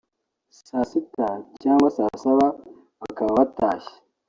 saa sita cyangwa saa saba bakaba batashye